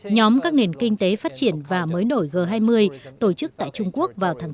nhóm các nền kinh tế phát triển và mới nổi g hai mươi tổ chức tại trung quốc vào tháng bốn